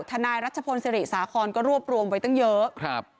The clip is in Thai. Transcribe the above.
ทนายรัชพลสิริสาคอนก็รวบรวมไว้ตั้งเยอะ